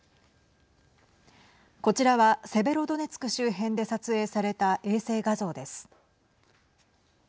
こちらはセベロドネツク周辺で撮影された衛星画像です。